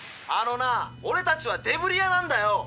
あのなぁオレたちはデブリ屋なんだよ！